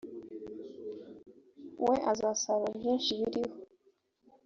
we azasarura byinshi biriho